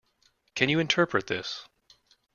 Can you interpret this?